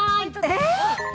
◆えっ？